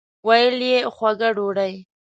ویل یې خوږه ډوډۍ.